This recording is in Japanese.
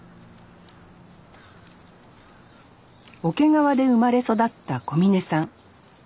桶川で生まれ育った小峯さん。